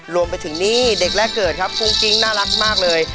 รวมไปถึงนี่เด็กแรกเกิดครับกุ้งกิ๊งน่ารักมากเลย